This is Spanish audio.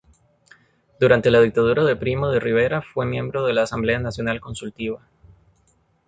Durante la Dictadura de Primo de Rivera fue miembro de la Asamblea Nacional Consultiva.